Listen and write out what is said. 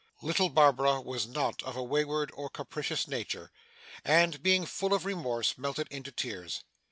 Little Barbara was not of a wayward or capricious nature, and, being full of remorse, melted into tears.